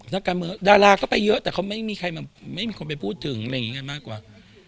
นาการเมืองนาราก็ไปเยอะแต่เขาไม่มีคนไปพูดถึงอะไรแบบนี้ก็มากกว่า